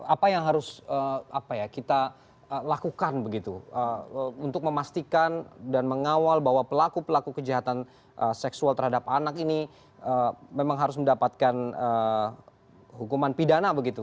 apa yang harus kita lakukan begitu untuk memastikan dan mengawal bahwa pelaku pelaku kejahatan seksual terhadap anak ini memang harus mendapatkan hukuman pidana begitu